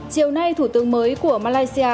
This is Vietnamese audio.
chiều nay thủ tướng mới của malaysia